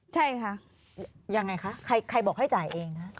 ใช่ค่ะยังไงคะใครบอกให้จ่ายเองคะ